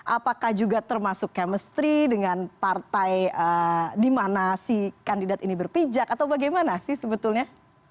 apakah juga termasuk chemistry dengan partai di mana si kandidat ini berpijak atau bagaimana sih sebetulnya